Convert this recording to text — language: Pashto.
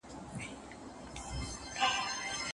موږ کولای سو چي د کتاب له لاري خپل کلتور او ژبه ژوندۍ وساتو.